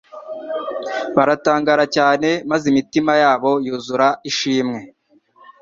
Baratangara cyane maze imitima yabo yuzura ishimwe.